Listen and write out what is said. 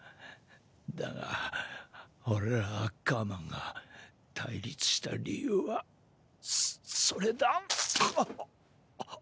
だが俺らアッカーマンが対立した理由はそれだガハッ！！